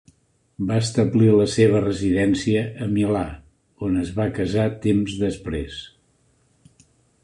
Va establir la seva residència a Milà, on es va casar temps després.